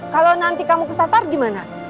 kalau nanti kamu kesasar gimana